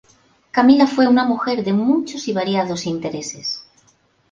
Camila fue una mujer de muchos y variados intereses.